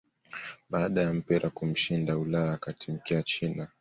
baada ya mpira kumshinda Ulaya akatimkia china